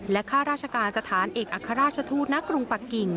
ข้าราชการสถานเอกอัครราชทูตณกรุงปะกิ่ง